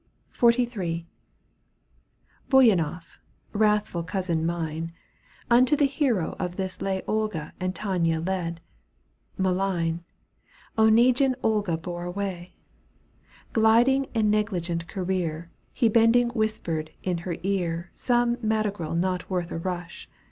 XLIIL Bouyanoff, wrathful cousin mine, Unto the hero of this lay Olga and Tania led. Malign, /] Oneguine Olga bore away. Gliding in negligent career. He bending whispered in her ear Some madrigal not worth a rush.